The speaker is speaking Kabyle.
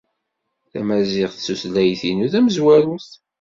Tamaziɣt d tutlayt-inu tamezwarut.